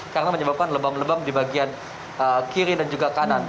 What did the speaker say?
karena menyebabkan lebam lebam di bagian kiri dan juga kanan